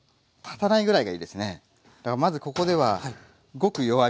だからまずここではごく弱火。